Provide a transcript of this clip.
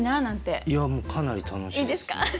いやもうかなり楽しいですよ。